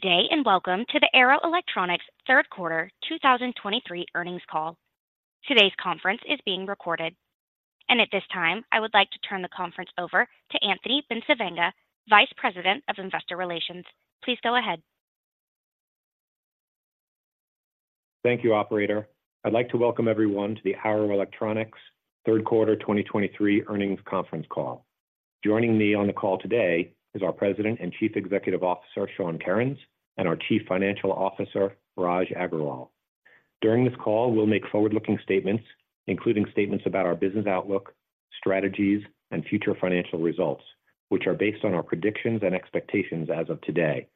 Good day, and welcome to the Arrow Electronics third quarter 2023 earnings call. Today's conference is being recorded, and at this time, I would like to turn the conference over to Anthony Bencivenga, Vice President of Investor Relations. Please go ahead. Thank you, operator. I'd like to welcome everyone to the Arrow Electronics third quarter 2023 earnings conference call. Joining me on the call today is our President and Chief Executive Officer, Sean Kerins, and our Chief Financial Officer, Raj Agrawal. During this call, we'll make forward-looking statements, including statements about our business outlook, strategies, and future financial results, which are based on our predictions and expectations as of today.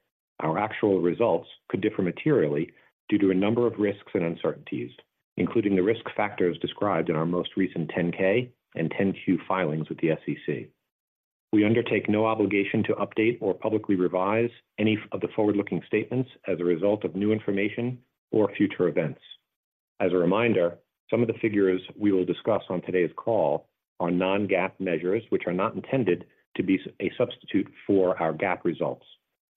Our actual results could differ materially due to a number of risks and uncertainties, including the risk factors described in our most recent 10-K and 10-Q filings with the SEC. We undertake no obligation to update or publicly revise any of the forward-looking statements as a result of new information or future events. As a reminder, some of the figures we will discuss on today's call are non-GAAP measures, which are not intended to be a substitute for our GAAP results.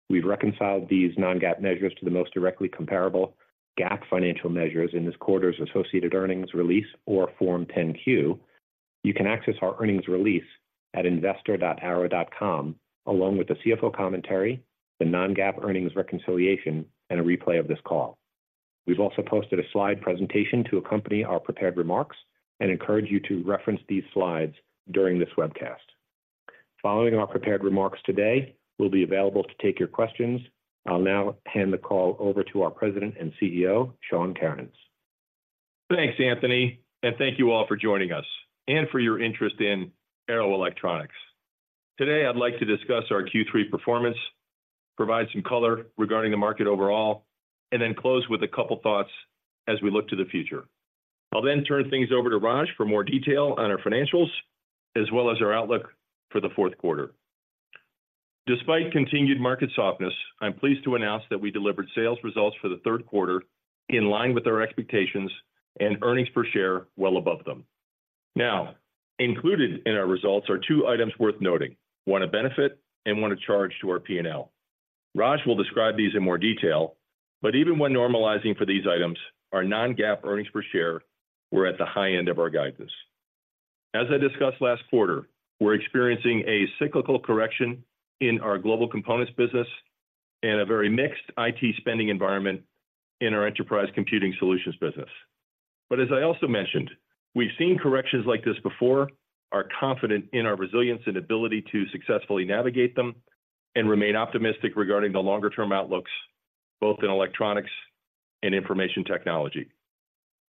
We've reconciled these non-GAAP measures to the most directly comparable GAAP financial measures in this quarter's associated earnings release or Form 10-Q. You can access our earnings release at investor.arrow.com, along with the CFO commentary, the non-GAAP earnings reconciliation, and a replay of this call. We've also posted a slide presentation to accompany our prepared remarks and encourage you to reference these slides during this webcast. Following our prepared remarks today, we'll be available to take your questions. I'll now hand the call over to our President and CEO, Sean Kerins. Thanks, Anthony, and thank you all for joining us and for your interest in Arrow Electronics. Today, I'd like to discuss our Q3 performance, provide some color regarding the market overall, and then close with a couple thoughts as we look to the future. I'll then turn things over to Raj for more detail on our financials, as well as our outlook for the fourth quarter. Despite continued market softness, I'm pleased to announce that we delivered sales results for the third quarter in line with our expectations and earnings per share well above them. Now, included in our results are two items worth noting: one, a benefit, and one, a charge to our P&L. Raj will describe these in more detail, but even when normalizing for these items, our non-GAAP earnings per share were at the high end of our guidance. As I discussed last quarter, we're experiencing a cyclical correction in our Global Components business and a very mixed IT spending environment in our Enterprise Computing Solutions business. But as I also mentioned, we've seen corrections like this before, are confident in our resilience and ability to successfully navigate them, and remain optimistic regarding the longer-term outlooks, both in electronics and information technology.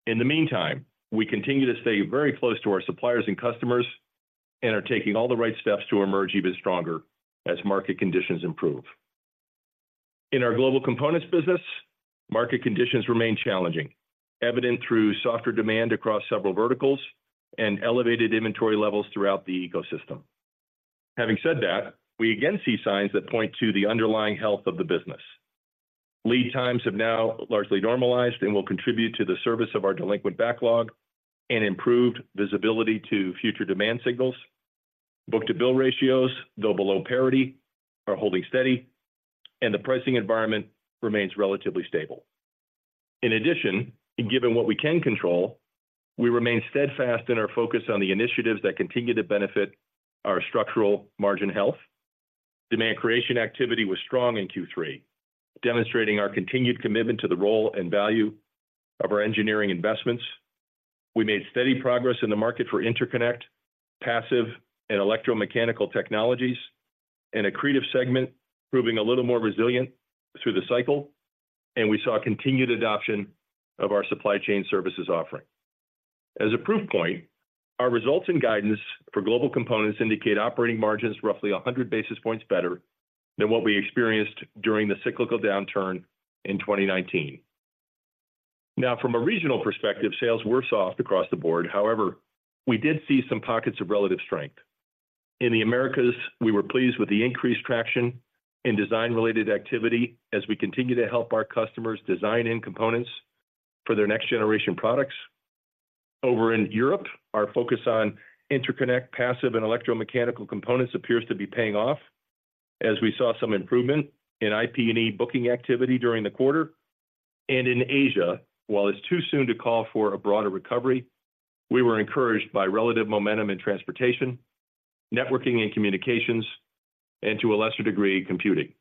In the meantime, we continue to stay very close to our suppliers and customers and are taking all the right steps to emerge even stronger as market conditions improve. In our Global Components business, market conditions remain challenging, evident through softer demand across several verticals and elevated inventory levels throughout the ecosystem. Having said that, we again see signs that point to the underlying health of the business. Lead times have now largely normalized and will contribute to the service of our delinquent backlog and improved visibility to future demand signals. Book-to-bill ratios, though below parity, are holding steady, and the pricing environment remains relatively stable. In addition, and given what we can control, we remain steadfast in our focus on the initiatives that continue to benefit our structural margin health. Demand creation activity was strong in Q3, demonstrating our continued commitment to the role and value of our engineering investments. We made steady progress in the market for interconnect, passive, and electromechanical technologies, and accretive segment proving a little more resilient through the cycle, and we saw continued adoption of our supply chain services offering. As a proof point, our results and guidance for Global Components indicate operating margins roughly 100 basis points better than what we experienced during the cyclical downturn in 2019. Now, from a regional perspective, sales were soft across the board. However, we did see some pockets of relative strength. In the Americas, we were pleased with the increased traction in design-related activity as we continue to help our customers design end components for their next-generation products. Over in Europe, our focus on interconnect, passive, and electromechanical components appears to be paying off as we saw some improvement in IP&E booking activity during the quarter. And in Asia, while it's too soon to call for a broader recovery, we were encouraged by relative momentum in transportation, networking and communications, and to a lesser degree, computing.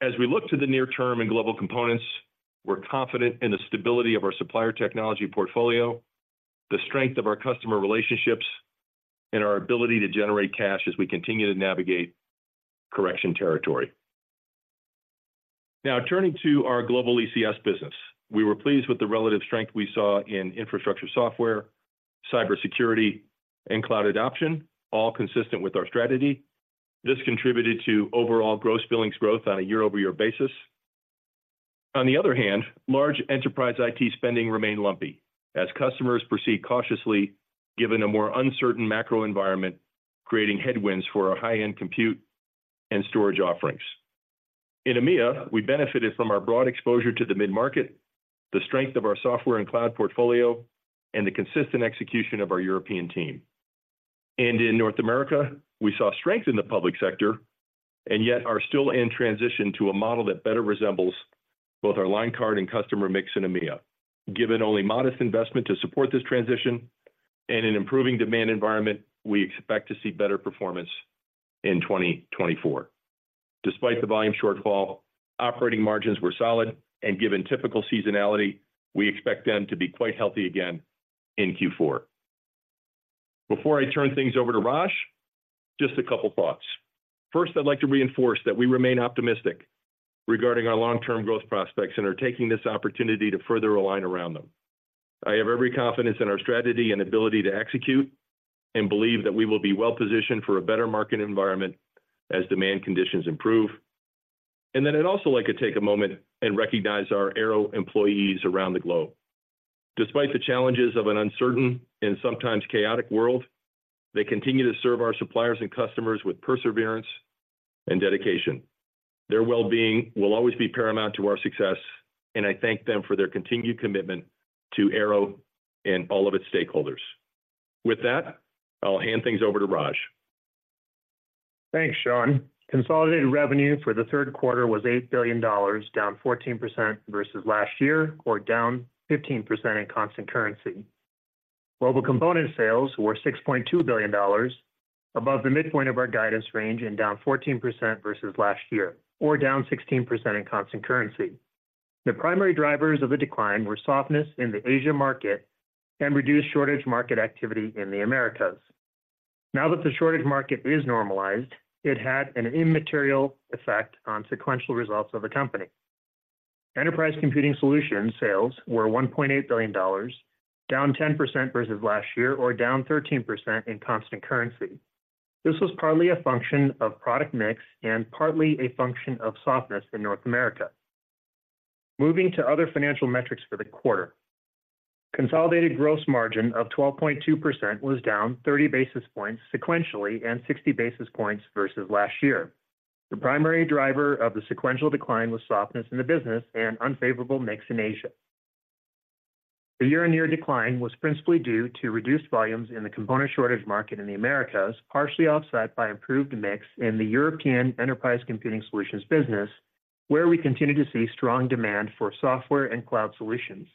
As we look to the near term in Global Components, we're confident in the stability of our supplier technology portfolio, the strength of our customer relationships, and our ability to generate cash as we continue to navigate correction territory. Now, turning to our Global ECS business. We were pleased with the relative strength we saw in infrastructure software, cybersecurity, and cloud adoption, all consistent with our strategy. This contributed to overall gross billings growth on a year-over-year basis. On the other hand, large Enterprise IT spending remained lumpy as customers proceed cautiously, given a more uncertain macro environment, creating headwinds for our high-end compute and storage offerings. In EMEA, we benefited from our broad exposure to the mid-market, the strength of our software and cloud portfolio, and the consistent execution of our European team. In North America, we saw strength in the public sector, and yet are still in transition to a model that better resembles both our line card and customer mix in EMEA. Given only modest investment to support this transition and an improving demand environment, we expect to see better performance in 2024. Despite the volume shortfall, operating margins were solid, and given typical seasonality, we expect them to be quite healthy again in Q4. Before I turn things over to Raj, just a couple thoughts. First, I'd like to reinforce that we remain optimistic regarding our long-term growth prospects and are taking this opportunity to further align around them. I have every confidence in our strategy and ability to execute, and believe that we will be well-positioned for a better market environment as demand conditions improve. Then I'd also like to take a moment and recognize our Arrow employees around the globe. Despite the challenges of an uncertain and sometimes chaotic world, they continue to serve our suppliers and customers with perseverance and dedication. Their well-being will always be paramount to our success, and I thank them for their continued commitment to Arrow and all of its stakeholders. With that, I'll hand things over to Raj. Thanks, Sean. Consolidated revenue for the third quarter was $8 billion, down 14% versus last year, or down 15% in constant currency. Global Components sales were $6.2 billion, above the midpoint of our guidance range and down 14% versus last year, or down 16% in constant currency. The primary drivers of the decline were softness in the Asia market and reduced shortage market activity in the Americas. Now that the shortage market is normalized, it had an immaterial effect on sequential results of the company. Enterprise Computing Solutions sales were $1.8 billion, down 10% versus last year, or down 13% in constant currency. This was partly a function of product mix and partly a function of softness in North America. Moving to other financial metrics for the quarter. Consolidated gross margin of 12.2% was down 30 basis points sequentially and 60 basis points versus last year. The primary driver of the sequential decline was softness in the business and unfavorable mix in Asia. The year-on-year decline was principally due to reduced volumes in the component shortage market in the Americas, partially offset by improved mix in the European Enterprise Computing Solutions business, where we continue to see strong demand for software and cloud solutions.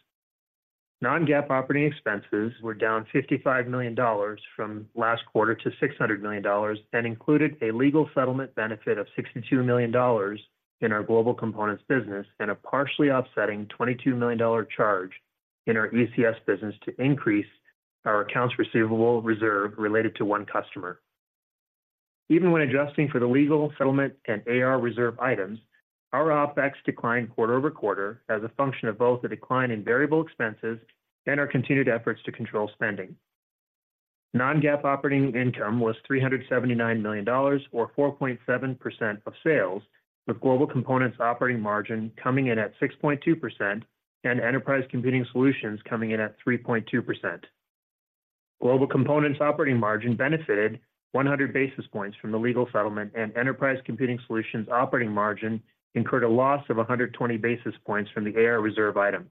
Non-GAAP operating expenses were down $55 million from last quarter to $600 million, and included a legal settlement benefit of $62 million in our Global Components business and a partially offsetting $22 million charge in our ECS business to increase our accounts receivable reserve related to one customer. Even when adjusting for the legal settlement and AR reserve items, our OpEx declined quarter-over-quarter as a function of both the decline in variable expenses and our continued efforts to control spending. Non-GAAP operating income was $379 million, or 4.7% of sales, with Global Components operating margin coming in at 6.2% and Enterprise Computing Solutions coming in at 3.2%. Global Components operating margin benefited 100 basis points from the legal settlement, and Enterprise Computing Solutions operating margin incurred a loss of 120 basis points from the AR reserve item.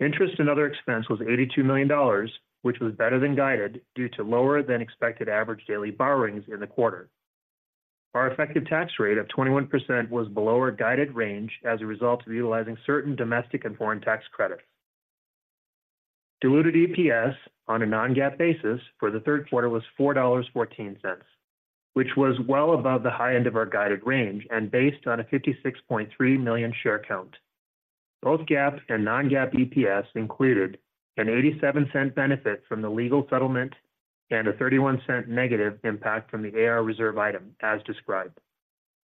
Interest and other expense was $82 million, which was better than guided, due to lower than expected average daily borrowings in the quarter. Our effective tax rate of 21% was below our guided range as a result of utilizing certain domestic and foreign tax credits. Diluted EPS on a non-GAAP basis for the third quarter was $4.14, which was well above the high end of our guided range and based on a 56.3 million share count. Both GAAP and non-GAAP EPS included an $0.87 benefit from the legal settlement and a $0.31 negative impact from the AR reserve item, as described.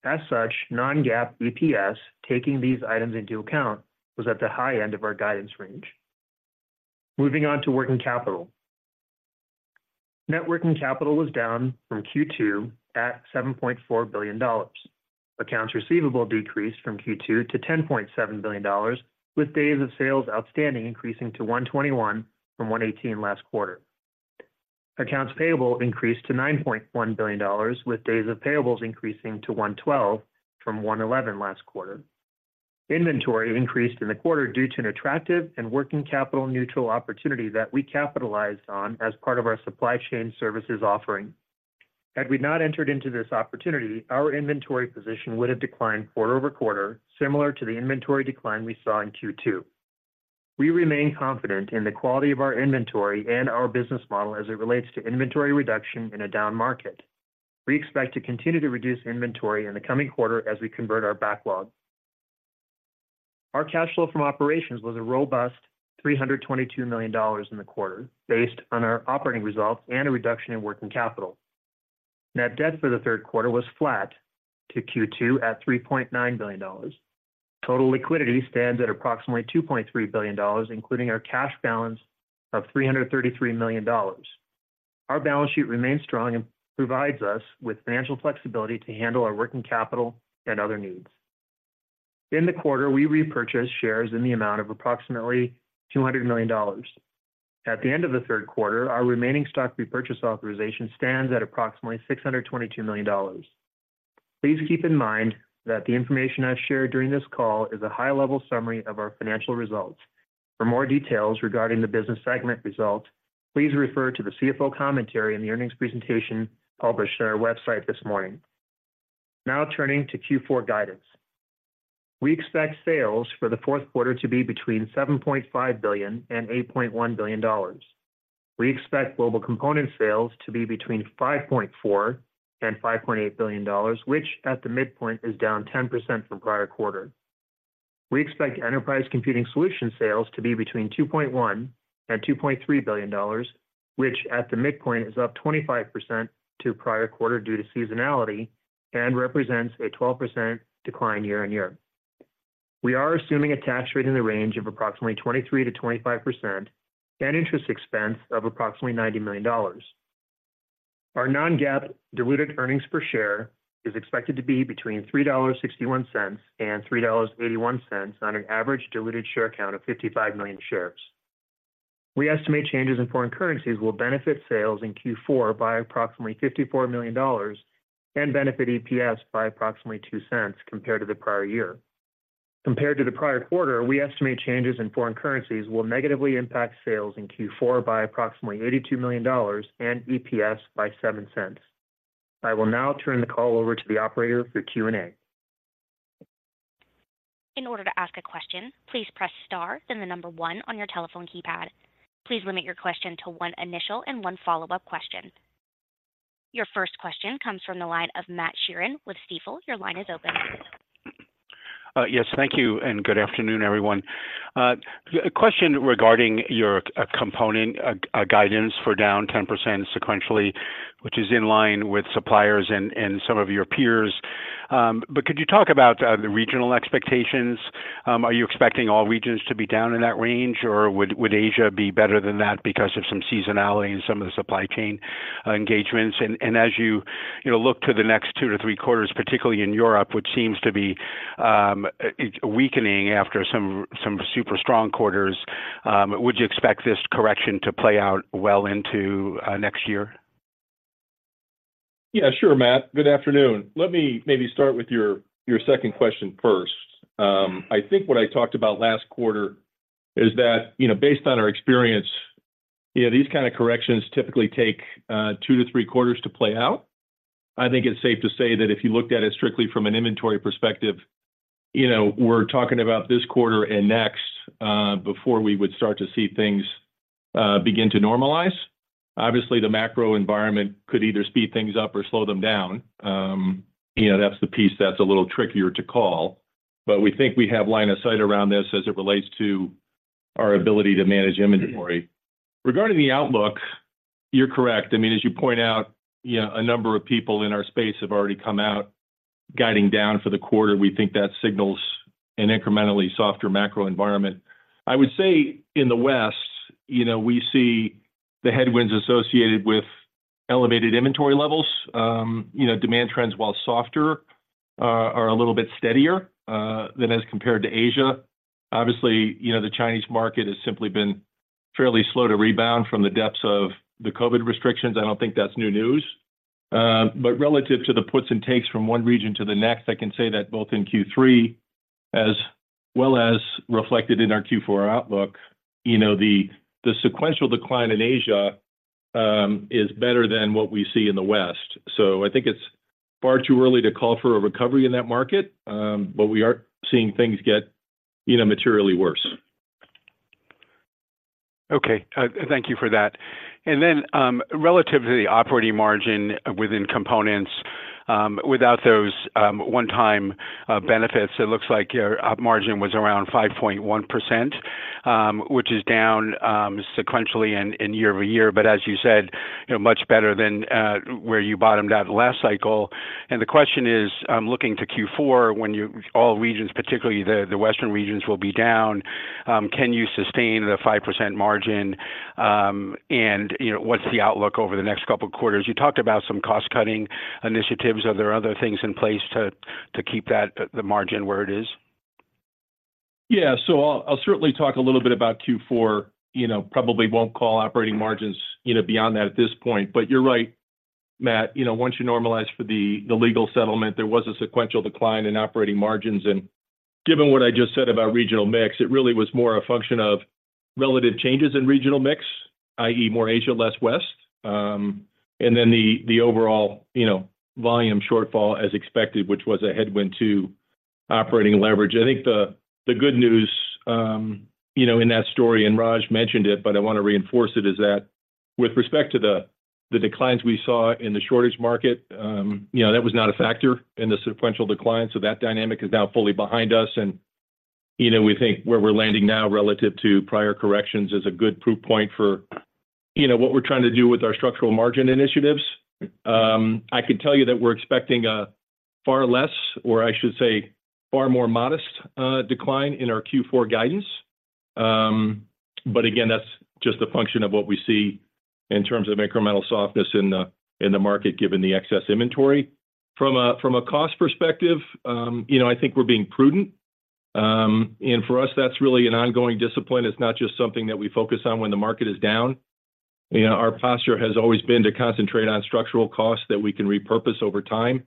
As such, non-GAAP EPS, taking these items into account, was at the high end of our guidance range. Moving on to working capital. Net working capital was down from Q2 at $7.4 billion. Accounts receivable decreased from Q2 to $10.7 billion, with days of sales outstanding increasing to 121 from 118 last quarter. Accounts payable increased to $9.1 billion, with days of payables increasing to 112 from 111 last quarter. Inventory increased in the quarter due to an attractive and working capital neutral opportunity that we capitalized on as part of our supply chain services offering. Had we not entered into this opportunity, our inventory position would have declined quarter-over-quarter, similar to the inventory decline we saw in Q2. We remain confident in the quality of our inventory and our business model as it relates to inventory reduction in a down market. We expect to continue to reduce inventory in the coming quarter as we convert our backlog. Our cash flow from operations was a robust $322 million in the quarter, based on our operating results and a reduction in working capital. Net debt for the third quarter was flat to Q2 at $3.9 billion. Total liquidity stands at approximately $2.3 billion, including our cash balance of $333 million. Our balance sheet remains strong and provides us with financial flexibility to handle our working capital and other needs. In the quarter, we repurchased shares in the amount of approximately $200 million. At the end of the third quarter, our remaining stock repurchase authorization stands at approximately $622 million. Please keep in mind that the information I've shared during this call is a high-level summary of our financial results. For more details regarding the business segment results, please refer to the CFO commentary in the earnings presentation published on our website this morning. Now turning to Q4 guidance. We expect sales for the fourth quarter to be between $7.5 billion and $8.1 billion. We expect Global Components sales to be between $5.4 billion and $5.8 billion, which, at the midpoint, is down 10% from prior quarter. We expect Enterprise Computing Solutions sales to be between $2.1 billion and $2.3 billion, which, at the midpoint, is up 25% to prior quarter due to seasonality and represents a 12% decline year-on-year. We are assuming a tax rate in the range of approximately 23%-25% and interest expense of approximately $90 million. Our non-GAAP diluted earnings per share is expected to be between $3.61 and $3.81 on an average diluted share count of 55 million shares. We estimate changes in foreign currencies will benefit sales in Q4 by approximately $54 million and benefit EPS by approximately $0.02 compared to the prior year. Compared to the prior quarter, we estimate changes in foreign currencies will negatively impact sales in Q4 by approximately $82 million and EPS by $0.07. I will now turn the call over to the operator for Q&A. In order to ask a question, please press star, then the number one on your telephone keypad. Please limit your question to one initial and one follow-up question. Your first question comes from the line of Matt Sheerin with Stifel. Your line is open. Yes, thank you, and good afternoon, everyone. A question regarding your component guidance for down 10% sequentially, which is in line with suppliers and some of your peers. But could you talk about the regional expectations? Are you expecting all regions to be down in that range, or would Asia be better than that because of some seasonality and some of the supply chain engagements? And as you know, look to the next two to three quarters, particularly in Europe, which seems to be weakening after some super strong quarters, would you expect this correction to play out well into next year? Yeah, sure, Matt. Good afternoon. Let me maybe start with your, your second question first. I think what I talked about last quarter is that, you know, based on our experience, yeah, these kind of corrections typically take 2-3 quarters to play out. I think it's safe to say that if you looked at it strictly from an inventory perspective, you know, we're talking about this quarter and next, before we would start to see things begin to normalize. Obviously, the macro environment could either speed things up or slow them down. You know, that's the piece that's a little trickier to call, but we think we have line of sight around this as it relates to our ability to manage inventory. Regarding the outlook, you're correct. I mean, as you point out, yeah, a number of people in our space have already come out guiding down for the quarter. We think that signals an incrementally softer macro environment. I would say in the West, you know, we see the headwinds associated with elevated inventory levels. You know, demand trends, while softer, are a little bit steadier than as compared to Asia. Obviously, you know, the Chinese market has simply been fairly slow to rebound from the depths of the COVID restrictions. I don't think that's new news. But relative to the puts and takes from one region to the next, I can say that both in Q3 as well as reflected in our Q4 outlook, you know, the sequential decline in Asia is better than what we see in the West. So I think it's far too early to call for a recovery in that market, but we aren't seeing things get, you know, materially worse. Okay, thank you for that. And then, relative to the operating margin within components, without those one-time benefits, it looks like your op margin was around 5.1%, which is down sequentially and year-over-year, but as you said, you know, much better than where you bottomed out last cycle. And the question is, I'm looking to Q4, when all regions, particularly the Western regions, will be down, can you sustain the 5% margin? And, you know, what's the outlook over the next couple of quarters? You talked about some cost-cutting initiatives. Are there other things in place to keep that, the margin where it is? Yeah. So I'll certainly talk a little bit about Q4. You know, probably won't call operating margins, you know, beyond that at this point. But you're right, Matt, you know, once you normalize for the legal settlement, there was a sequential decline in operating margins. And given what I just said about regional mix, it really was more a function of relative changes in regional mix, i.e., more Asia, less West, and then the overall, you know, volume shortfall as expected, which was a headwind to operating leverage. I think the good news, you know, in that story, and Raj mentioned it, but I want to reinforce it, is that with respect to the declines we saw in the shortage market, you know, that was not a factor in the sequential decline, so that dynamic is now fully behind us. You know, we think where we're landing now relative to prior corrections is a good proof point for, you know, what we're trying to do with our structural margin initiatives. I could tell you that we're expecting a far less, or I should say, far more modest, decline in our Q4 guidance. But again, that's just a function of what we see in terms of incremental softness in the market, given the excess inventory. From a cost perspective, you know, I think we're being prudent. And for us, that's really an ongoing discipline. It's not just something that we focus on when the market is down. You know, our posture has always been to concentrate on structural costs that we can repurpose over time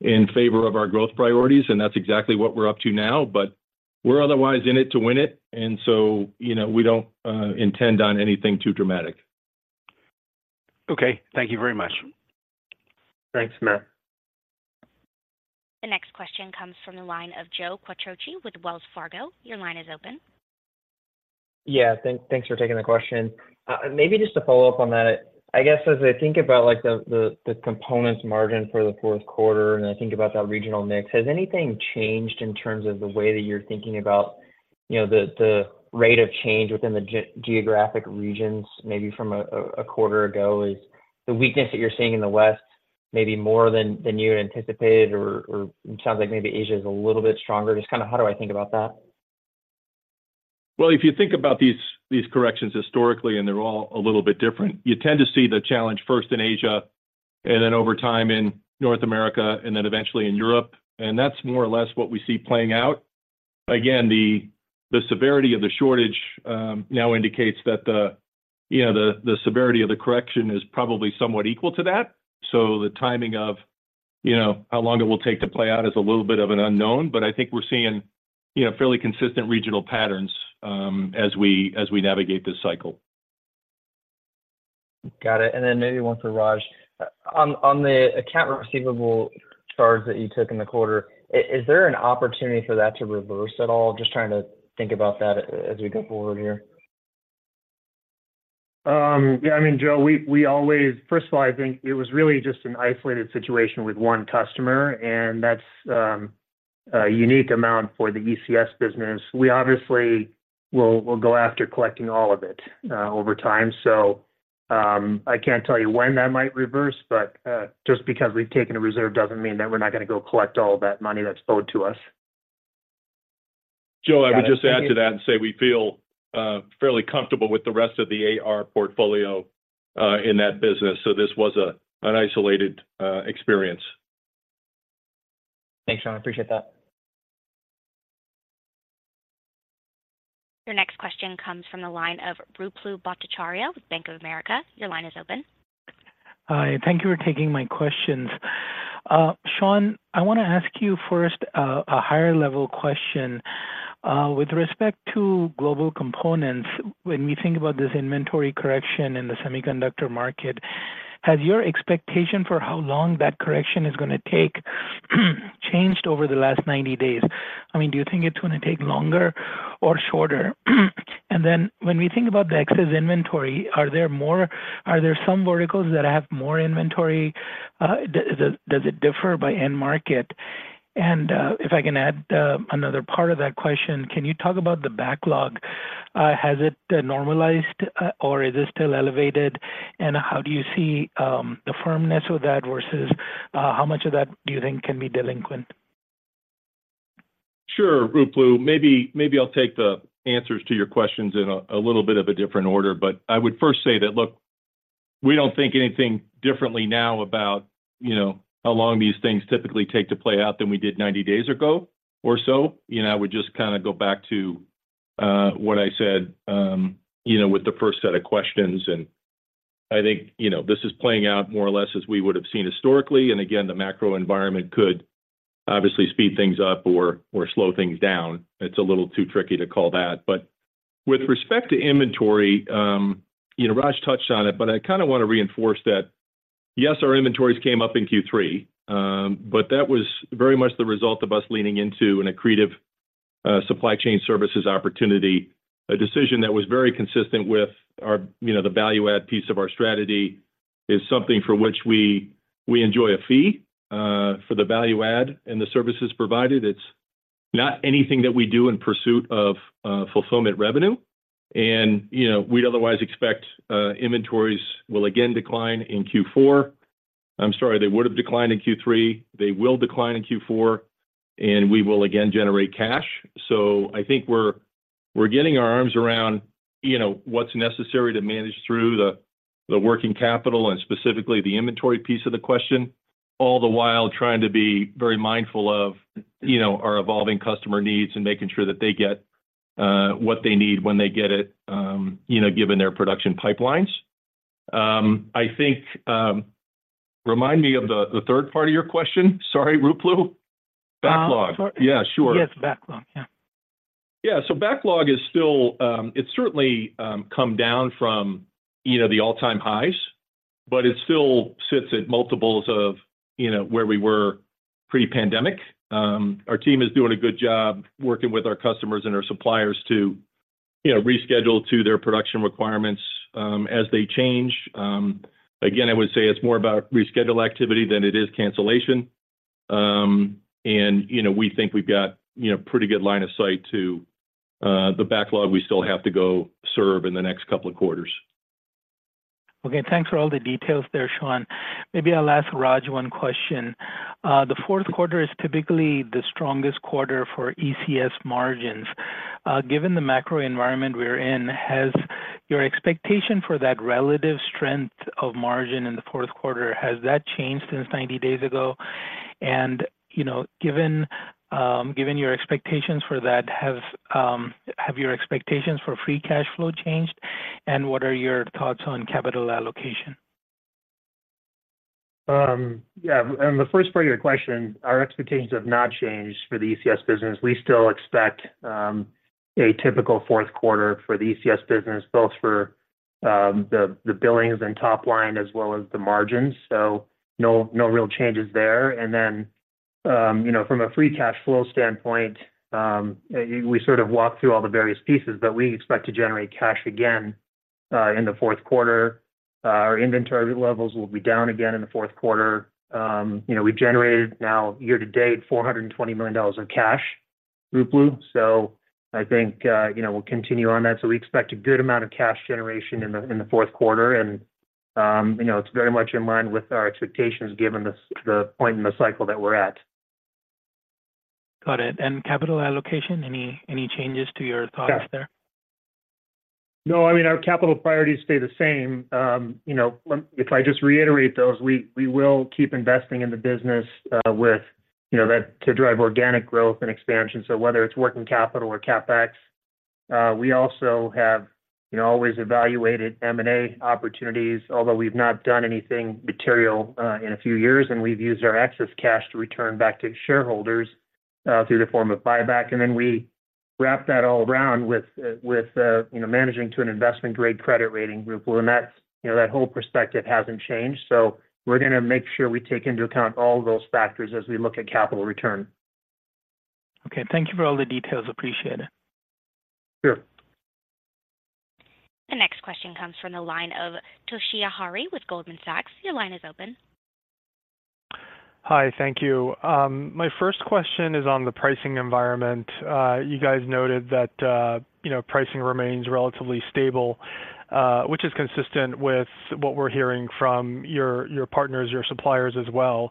in favor of our growth priorities, and that's exactly what we're up to now. But we're otherwise in it to win it, and so, you know, we don't intend on anything too dramatic. Okay. Thank you very much. Thanks, Matt. The next question comes from the line of Joe Quatrochi with Wells Fargo. Your line is open. Yeah. Thanks for taking the question. Maybe just to follow up on that, I guess, as I think about, like, the Components margin for the fourth quarter, and I think about that regional mix, has anything changed in terms of the way that you're thinking about, you know, the rate of change within the geographic regions, maybe from a quarter ago? Is the weakness that you're seeing in the West maybe more than you had anticipated, or it sounds like maybe Asia is a little bit stronger? Just kind of how do I think about that? Well, if you think about these corrections historically, and they're all a little bit different, you tend to see the challenge first in Asia, and then over time in North America, and then eventually in Europe, and that's more or less what we see playing out. Again, the severity of the shortage now indicates that you know, the severity of the correction is probably somewhat equal to that. So the timing of you know, how long it will take to play out is a little bit of an unknown, but I think we're seeing you know, fairly consistent regional patterns as we navigate this cycle. Got it, and then maybe one for Raj. On the accounts receivable charge that you took in the quarter, is there an opportunity for that to reverse at all? Just trying to think about that as we go forward here. Yeah, I mean, Joe, we always, first of all, I think it was really just an isolated situation with one customer, and that's a unique amount for the ECS business. We obviously will go after collecting all of it over time. So, I can't tell you when that might reverse, but just because we've taken a reserve doesn't mean that we're not gonna go collect all that money that's owed to us. Joe, I would just add to that and say we feel fairly comfortable with the rest of the AR portfolio in that business, so this was an isolated experience. Thanks, Sean. I appreciate that. Your next question comes from the line of Ruplu Bhattacharya with Bank of America. Your line is open. Hi, thank you for taking my questions. Sean, I want to ask you first a higher level question. With respect to Global Components, when we think about this inventory correction in the semiconductor market, has your expectation for how long that correction is gonna take, changed over the last 90 days? I mean, do you think it's gonna take longer or shorter? And then when we think about the excess inventory, are there some verticals that have more inventory? Does it differ by end market? And if I can add another part of that question, can you talk about the backlog? Has it normalized or is it still elevated, and how do you see the firmness with that versus how much of that do you think can be delinquent? Sure, Ruplu. Maybe, maybe I'll take the answers to your questions in a little bit of a different order. But I would first say that, look, we don't think anything differently now about, you know, how long these things typically take to play out than we did 90 days ago or so. You know, I would just kind of go back to what I said, you know, with the first set of questions, and I think, you know, this is playing out more or less as we would have seen historically. And again, the macro environment could obviously speed things up or slow things down. It's a little too tricky to call that. But with respect to inventory, you know, Raj touched on it, but I kind of want to reinforce that, yes, our inventories came up in Q3, but that was very much the result of us leaning into an accretive, supply chain services opportunity, a decision that was very consistent with our, you know, the value-add piece of our strategy, is something for which we, we enjoy a fee, for the value-add and the services provided. It's not anything that we do in pursuit of, fulfillment revenue. And, you know, we'd otherwise expect, inventories will again decline in Q4. I'm sorry, they would have declined in Q3, they will decline in Q4, and we will again generate cash. So I think we're getting our arms around, you know, what's necessary to manage through the working capital and specifically the inventory piece of the question, all the while trying to be very mindful of, you know, our evolving customer needs and making sure that they get what they need when they get it, you know, given their production pipelines. I think, remind me of the third part of your question. Sorry, Ruplu. Backlog. Yeah, sure. Yes, backlog. Yeah. Yeah, so backlog is still. It's certainly come down from, you know, the all-time highs, but it still sits at multiples of, you know, where we were pre-pandemic. Our team is doing a good job working with our customers and our suppliers to, you know, reschedule to their production requirements as they change. Again, I would say it's more about reschedule activity than it is cancellation. And, you know, we think we've got, you know, pretty good line of sight to the backlog we still have to go serve in the next couple of quarters. Okay. Thanks for all the details there, Sean. Maybe I'll ask Raj one question. The fourth quarter is typically the strongest quarter for ECS margins. Given the macro environment we're in, has your expectation for that relative strength of margin in the fourth quarter changed since 90 days ago? And, you know, given given your expectations for that, have have your expectations for free cash flow changed? And what are your thoughts on capital allocation? Yeah, on the first part of your question, our expectations have not changed for the ECS business. We still expect a typical fourth quarter for the ECS business, both for the billings and top line as well as the margins. So no real changes there. And then, you know, from a free cash flow standpoint, we sort of walked through all the various pieces, but we expect to generate cash again in the fourth quarter. Our inventory levels will be down again in the fourth quarter. You know, we generated now year-to-date $420 million of cash through Q3. So I think, you know, we'll continue on that. So we expect a good amount of cash generation in the fourth quarter. You know, it's very much in line with our expectations, given the point in the cycle that we're at. Got it. And capital allocation, any, any changes to your thoughts there? No, I mean, our capital priorities stay the same. You know, if I just reiterate those, we will keep investing in the business with you know, that to drive organic growth and expansion. So whether it's working capital or CapEx, we also have you know, always evaluated M&A opportunities, although we've not done anything material in a few years, and we've used our excess cash to return back to shareholders through the form of buyback. And then we wrap that all around with you know, managing to an investment-grade credit rating profile, and that's you know, that whole perspective hasn't changed. So we're going to make sure we take into account all those factors as we look at capital return. Okay. Thank you for all the details. Appreciate it. Sure. The next question comes from the line of Toshiya Hari with Goldman Sachs. Your line is open. Hi, thank you. My first question is on the pricing environment. You guys noted that, you know, pricing remains relatively stable, which is consistent with what we're hearing from your partners, your suppliers as well.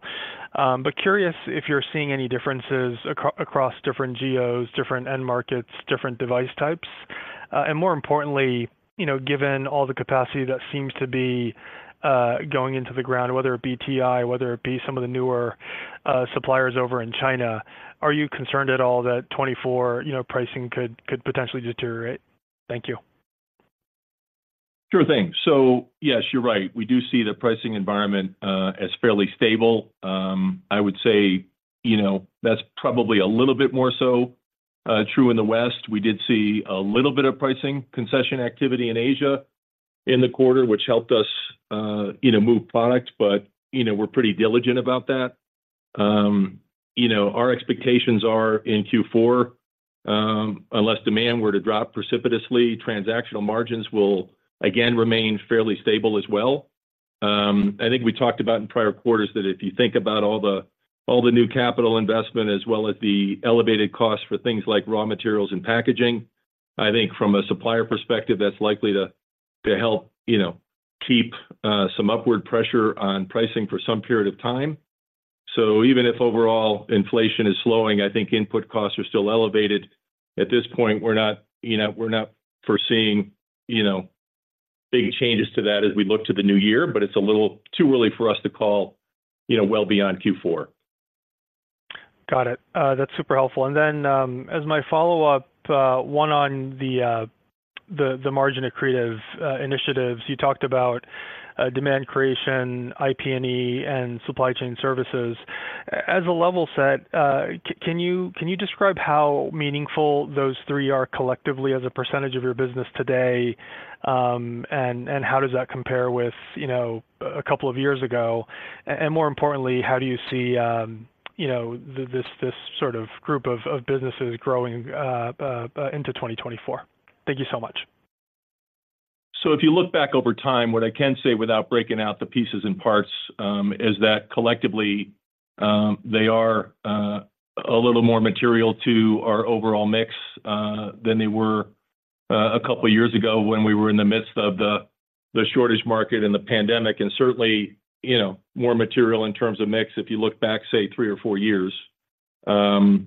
But curious if you're seeing any differences across different geos, different end markets, different device types? And more importantly, you know, given all the capacity that seems to be going into the ground, whether it be TI, whether it be some of the newer suppliers over in China, are you concerned at all that 2024, you know, pricing could potentially deteriorate? Thank you. Sure thing. So yes, you're right. We do see the pricing environment as fairly stable. I would say, you know, that's probably a little bit more so true in the West. We did see a little bit of pricing concession activity in Asia in the quarter, which helped us, you know, move product. But, you know, we're pretty diligent about that. Our expectations are in Q4, unless demand were to drop precipitously, transactional margins will again remain fairly stable as well. I think we talked about in prior quarters that if you think about all the new capital investment as well as the elevated cost for things like raw materials and packaging, I think from a supplier perspective, that's likely to help, you know, keep some upward pressure on pricing for some period of time. So even if overall inflation is slowing, I think input costs are still elevated. At this point, we're not, you know, we're not foreseeing, you know, big changes to that as we look to the new year, but it's a little too early for us to call, you know, well beyond Q4. Got it. That's super helpful. And then, as my follow-up, one on the, the margin of creative initiatives, you talked about, demand creation, IP&E, and supply chain services. As a level set, can you describe how meaningful those three are collectively as a percentage of your business today? And how does that compare with, you know, a couple of years ago? And more importantly, how do you see, you know, this, this sort of group of businesses growing into 2024? Thank you so much. So if you look back over time, what I can say without breaking out the pieces and parts, is that collectively, they are a little more material to our overall mix, than they were a couple of years ago when we were in the midst of the shortage market and the pandemic, and certainly, you know, more material in terms of mix, if you look back, say, three or four years. You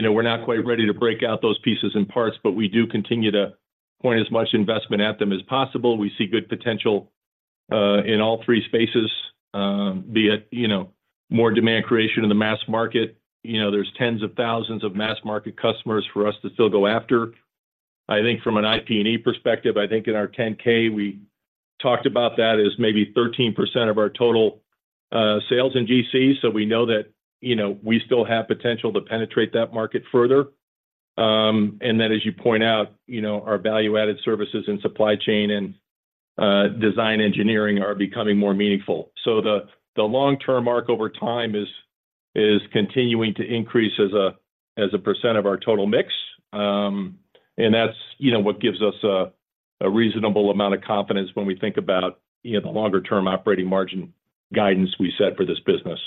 know, we're not quite ready to break out those pieces and parts, but we do continue to point as much investment at them as possible. We see good potential in all three spaces, be it, you know, more demand creation in the mass market. You know, there's tens of thousands of mass-market customers for us to still go after. I think from an IP&E perspective, I think in our 10-K, we talked about that as maybe 13% of our total sales in GC. So we know that, you know, we still have potential to penetrate that market further. And then, as you point out, you know, our value-added services and supply chain and design engineering are becoming more meaningful. So the long-term margin over time is continuing to increase as a percent of our total mix. And that's, you know, what gives us a reasonable amount of confidence when we think about, you know, the longer-term operating margin guidance we set for this business.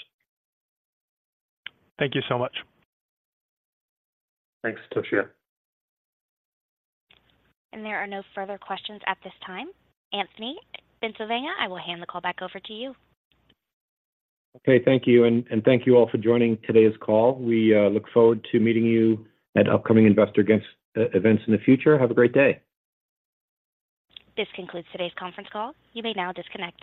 Thank you so much. Thanks, Toshiya. There are no further questions at this time. Anthony Bencivenga, I will hand the call back over to you. Okay. Thank you. And thank you all for joining today's call. We look forward to meeting you at upcoming investor events, events in the future. Have a great day. This concludes today's conference call. You may now disconnect.